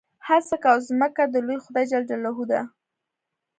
هسک او ځمکه د لوی خدای جل جلاله دي.